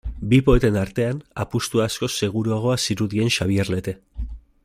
Bi poeten artean, apustu askoz seguruagoa zirudien Xabier Lete.